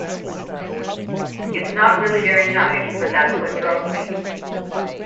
It's not really very nice, but that's what drove me.